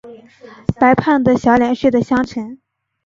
白胖的小脸睡的香沉